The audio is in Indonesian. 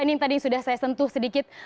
ini yang tadi sudah saya sentuh sedikit